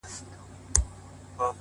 سپوږمۍ هغې ته په زاریو ویل ‘